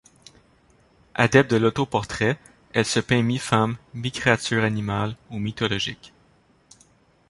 Adepte de l'autoportrait, elle se peint mi-femme mi-créature animale ou mythologiques.